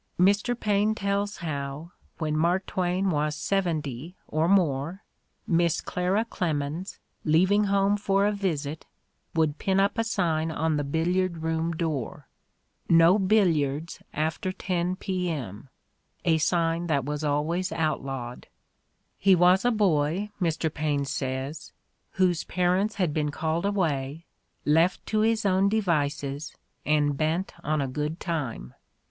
Mr. Paine tells how, when Mark Twain was seventy or more. Miss Clara Clemens, leaving home for a visit, would pin up a sign on the billiard room door :" No billiards after 10 P. M. "— a sign that was always outlawed. "He was a boy," Mr. Paine says, "whose parents had been called away, left to his own devices, and bent on a good time."